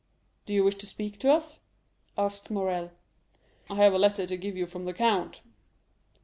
"Do you wish to speak to us?" asked Morrel. "I have a letter to give you from the count."